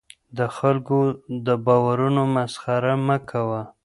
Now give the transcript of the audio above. د خلکو د باورونو مسخره مه کوه.